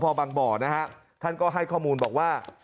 พอบางบ่อนะฮะท่านก็ให้ข้อมูลบอกว่า